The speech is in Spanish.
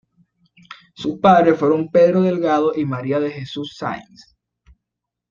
Sus padres fueron Pedro Delgado y María de Jesús Sáinz.